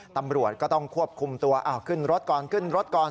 ตำรวจก็ต้องควบคุมตัวขึ้นรถก่อนขึ้นรถก่อน